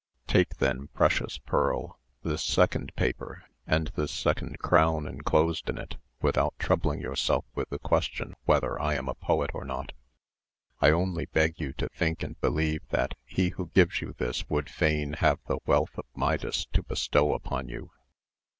Take then, precious pearl, this second paper, and this second crown enclosed in it, without troubling yourself with the question whether I am a poet or not. I only beg you to think and believe that he who gives you this would fain have the wealth of Midas to bestow upon you."